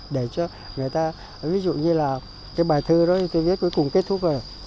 để cho người ta ví dụ như là cái bài thơ đó tôi viết cuối cùng kết thúc rồi